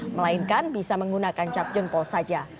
melainkan bisa menggunakan cap jempol saja